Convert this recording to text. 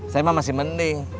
saya mah masih mending